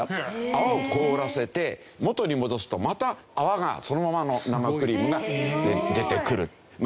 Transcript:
泡を凍らせて元に戻すとまた泡がそのままの生クリームが出てくる。